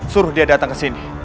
suruh dia datang kesini